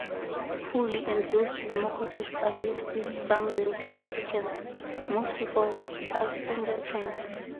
Fully enclosed locomotives are used in some limited applications, mostly for passenger trains.